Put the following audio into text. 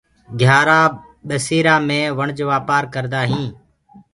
گھيآرآ ٻسيرآ مي وڻج وآپآر ڪردآ هينٚ۔